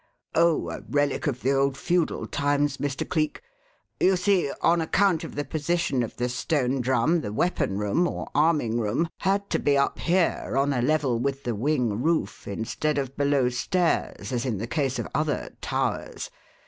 "Oh, a relic of the old feudal times, Mr. Cleek. You see, on account of the position of the Stone Drum, the weapon room, or arming room, had to be up here on a level with the wing roof, instead of below stairs, as in the case of other 'towers.'